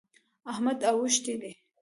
احمد اوښتی دی.